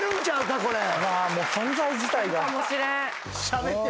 もう存在自体が。